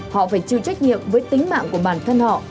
họ phải chịu trách nhiệm với tính mạng của bản thân họ